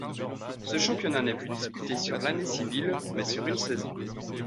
Ce championnat n'est plus disputé sur l'année civile mais sur une saison.